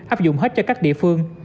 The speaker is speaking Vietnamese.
áp dụng hết cho các địa phương